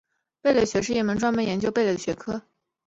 贝类学是一门专门研究贝类的学科。